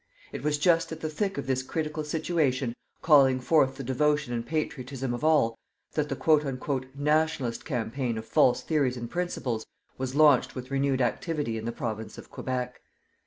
It was just at the thick of this critical situation, calling forth the devotion and patriotism of all, that the "Nationalist" campaign of false theories and principles was launched with renewed activity in the Province of Quebec.